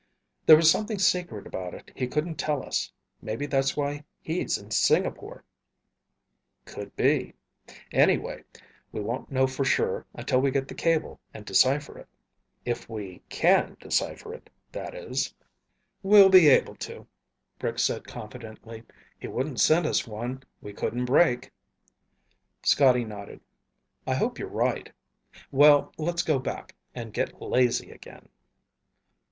There was something secret about it he couldn't tell us. Maybe that's why he's in Singapore." "Could be. Anyway, we won't know for sure until we get the cable and decipher it. If we can decipher it, that is." "We'll be able to," Rick said confidently. "He wouldn't send us one we couldn't break." Scotty nodded. "I hope you're right. Well, let's go back and get lazy again."